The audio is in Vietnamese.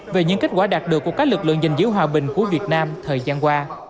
về những kết quả đạt được của các lực lượng gìn giữ hòa bình của việt nam thời gian qua